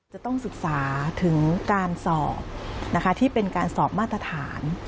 จะต้องศึกษาถึงการสอบนะคะที่เป็นการสอบมาตรฐาน